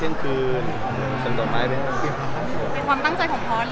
เป็นความตั้งใจของพอสเลยจ่ะ